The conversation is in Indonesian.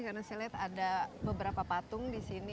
karena saya lihat ada beberapa patung di sini